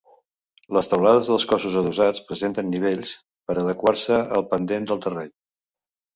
Les teulades dels cossos adossats presenten nivells, per adequar-se al pendent del terreny.